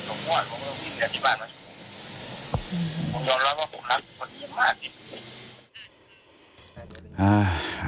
ผมยอมรับว่าผมทำขนาดนี้มาก